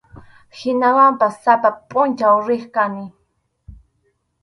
Hinawanpas sapa pʼunchaw riq kani.